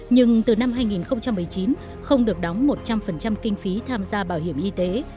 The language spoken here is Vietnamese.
nhưng từ năm hai nghìn một mươi chín không được đóng một trăm linh kinh phí tham gia bảo hiểm y tế